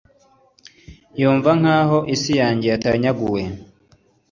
yumva nkaho isi yanjye yatanyaguwe.